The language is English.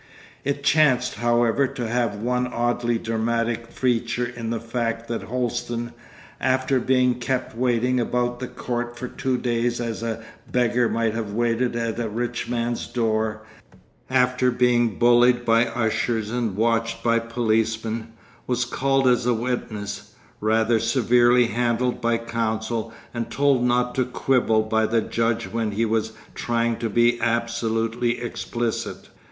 It chanced, however, to have one oddly dramatic feature in the fact that Holsten, after being kept waiting about the court for two days as a beggar might have waited at a rich man's door, after being bullied by ushers and watched by policemen, was called as a witness, rather severely handled by counsel, and told not to 'quibble' by the judge when he was trying to be absolutely explicit.